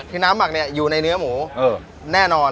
คือน้ำหมักอยู่ในเนื้อหมูแน่นอน